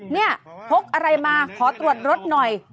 นี่พกอะไรมาขอตรวจรถหน่อย